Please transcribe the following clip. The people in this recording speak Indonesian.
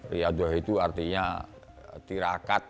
riadoh itu artinya tirakat